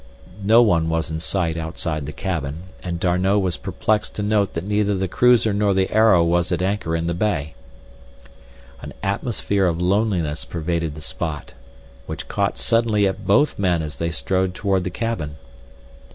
No one was in sight outside the cabin, and D'Arnot was perplexed to note that neither the cruiser nor the Arrow was at anchor in the bay. An atmosphere of loneliness pervaded the spot, which caught suddenly at both men as they strode toward the cabin.